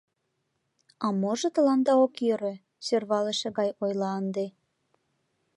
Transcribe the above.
— А можо тыланда ок йӧрӧ? — сӧрвалыше гай ойла ынде.